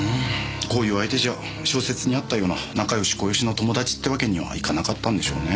こういう相手じゃ小説にあったような仲良しこよしの友達って訳にはいかなかったんでしょうね。